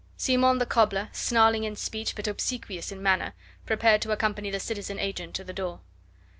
Simon the cobbler, snarling in speech but obsequious in manner, prepared to accompany the citizen agent to the door.